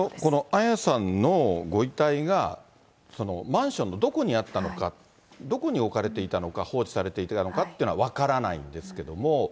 彩さんのご遺体がマンションのどこにあったのか、どこに置かれていたのか、放置されていたのかっていうのは分からないんですけども。